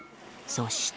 そして。